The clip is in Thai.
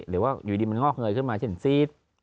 หรือว่าอยู่ดีมันงอกเงยขึ้นมาเช่นซีด